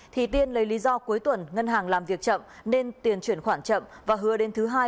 thì tiên lấy lý do cuối tuần ngân hàng làm việc chậm nên tiền chuyển khoản chậm và hứa đến thứ hai